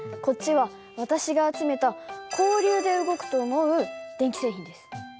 こっちは私が集めた交流で動くと思う電気製品です。